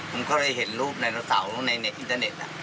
ผมก็เลยเห็นรูปไดโนเสาร์ในอินเตอร์เน็ต